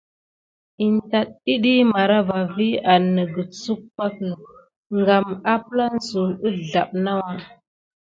In tat əɗiy marava vi an nəgəsuk pake. Kame aplan suw əzlaɓe nawa.